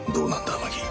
天樹。